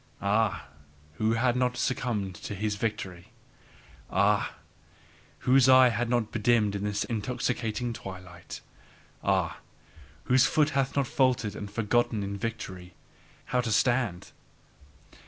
Ah, who hath not succumbed to his victory! Ah, whose eye hath not bedimmed in this intoxicated twilight! Ah, whose foot hath not faltered and forgotten in victory how to stand!